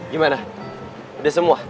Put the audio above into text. gimana udah semua